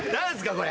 これ。